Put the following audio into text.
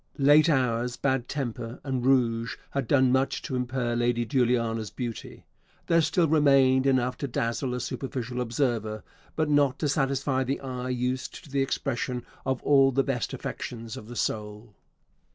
Late hours, bad temper, and rouge had done much to impair Lady Juliana's beauty. There still remained enough to dazzle a superficial observer; but not to satisfy the eye used to the expression of all the best affections of the soul.